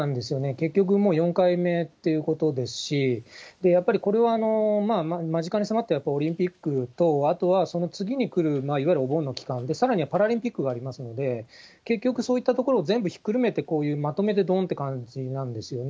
結局もう４回目ということですし、やっぱりこれは、間近に迫っているオリンピックと、あとはその次に来るいわゆるお盆の期間で、さらにはパラリンピックがありますので、結局そういったところを全部ひっくるめて、こういうまとめてどんっていう感じなんですよね。